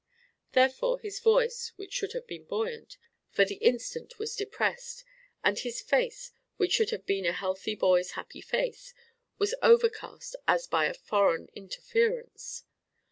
Therefore his voice, which should have been buoyant, for the instant was depressed; and his face, which should have been a healthy boy's happy face, was overcast as by a foreign interference.